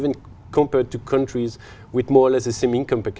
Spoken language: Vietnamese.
nhưng chúng ta có thể đối xử với các nước